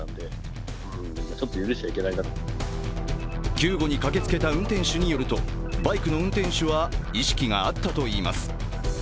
救護に駆けつけた運転手によるとバイクの運転手は意識があったといいます。